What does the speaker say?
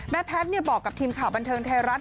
แพทย์บอกกับทีมข่าวบันเทิงไทยรัฐ